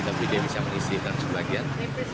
tapi dia bisa mengisikan sebagian